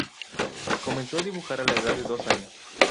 Comenzó a dibujar a la edad de dos años.